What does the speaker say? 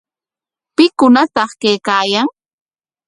¿Pikunataq kaykaayan?